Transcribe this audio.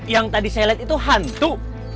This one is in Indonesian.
yang tadi saya lihat itu hantu